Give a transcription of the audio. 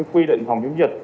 quy định phòng chống dịch